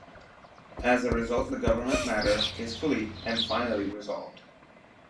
As a result, the government matter is fully and finally resolved.